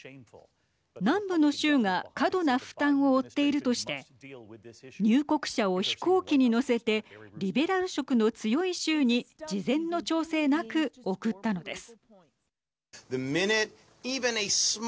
南部の州が過度な負担を負っているとして入国者を飛行機に乗せてリベラル色の強い州に事前の調整なく送ったのです。